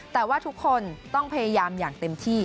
แต่ว่าทุกคนต้องพยายามอย่างเต็มที่